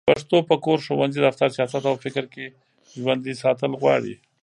پښتو په کور، ښوونځي، دفتر، سیاست او فکر کې ژوندي ساتل غواړي